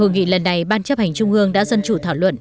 ngày ban chấp hành trung ương đã dân chủ thảo luận